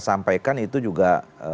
sampaikan itu juga